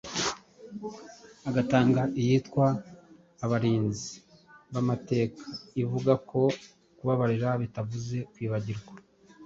agatanga iyitwa "Abarinzi b'Amateka" ivuga ko kubabarira bitavuze kwibagirwa.